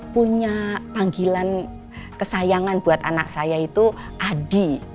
punya panggilan kesayangan buat anak saya itu adi